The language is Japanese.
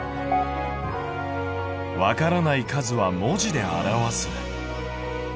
「わからない数は文字で表す」。